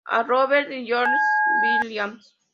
A. Robertson y Robert L. Williams.